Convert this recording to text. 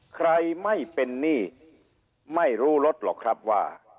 ใครไม่เป็นหนี้ไม่รู้รถหรอกครับว่า